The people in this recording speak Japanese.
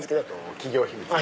企業秘密。